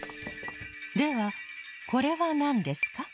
ではこれはなんですか？